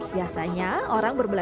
biasanya orang berbelanja